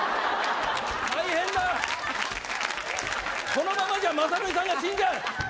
このままじゃまさのりさんが死んじゃう。